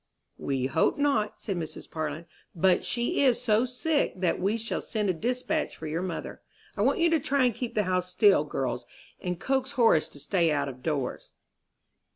"We hope not," said Mrs. Parlin, "but she is so sick that we shall send a despatch for your mother. I want you to try and keep the house still, girls, and coax Horace to stay out of doors."